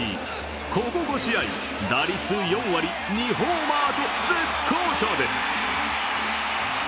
ここ５試合、打率４割、２ホーマーと絶好調です。